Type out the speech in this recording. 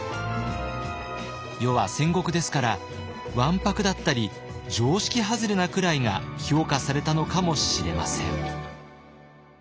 世は戦国ですからわんぱくだったり常識外れなくらいが評価されたのかもしれません。